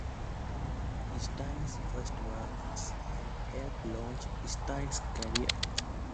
Stine's first works and helped launch Stine's career.